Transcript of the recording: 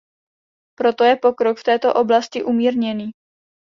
Proto je pokrok v této oblasti umírněný.